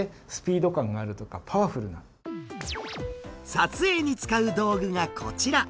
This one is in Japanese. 撮影に使う道具がこちら。